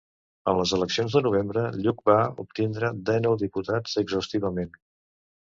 En les eleccions de novembre, Lluc va obtindre dènou diputats exhaustivament.